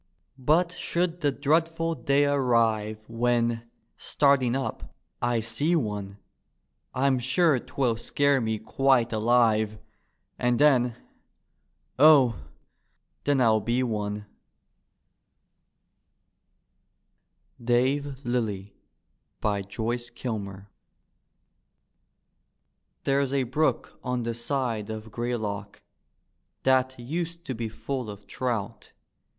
But should the dreadful day arrive When, starting up, I see one, I'm sure 'twill scare me quite alive; And then— Oh, then I'll be onel DAVE LILLY : joyce kilmer There's a brook on the side of Greylock that used to be full of trout.